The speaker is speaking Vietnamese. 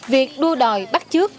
việc đua đòi bắt chước